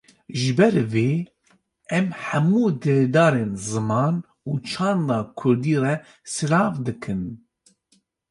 Ji ber vê em hemû dildarên ziman û çanda Kurdî re silav dikin.